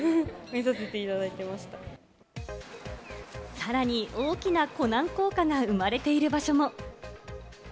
さらに大きなコナン効果が生まれている場所も。